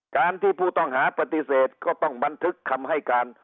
การที่ผู้ต้องหาปฏิเสธก็ต้องบันทึกคำให้การ